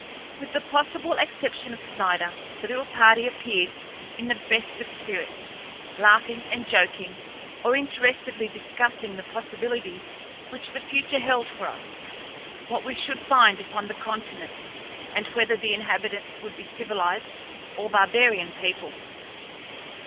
With the possible exception of Snider, the little party appeared in the best of spirits, laughing and joking, or interestedly discussing the possibilities which the future held for us: what we should find upon the continent, and whether the inhabitants would be civilized or barbarian peoples.